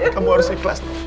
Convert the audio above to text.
kamu harus ikhlas